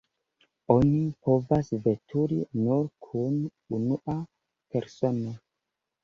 Oni povas veturi nur kun unua persono.